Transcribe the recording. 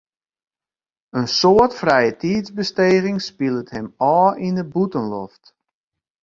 In soad frijetiidsbesteging spilet him ôf yn de bûtenloft.